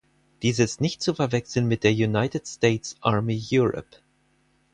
Diese ist nicht zu verwechseln mit der United States Army Europe.